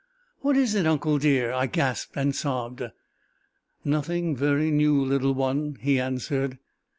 "What is it, uncle dear?" I gasped and sobbed. "Nothing very new, little one," he answered.